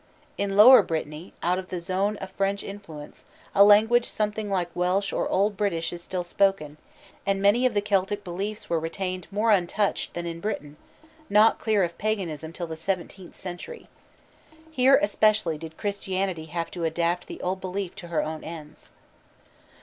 In lower Brittany, out of the zone of French influence, a language something like Welsh or old British is still spoken, and many of the Celtic beliefs were retained more untouched than in Britain, not clear of paganism till the seventeenth century. Here especially did Christianity have to adapt the old belief to her own ends.